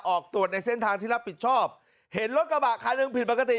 ออกตรวจในเส้นทางที่รับผิดชอบเห็นรถกระบะคันหนึ่งผิดปกติ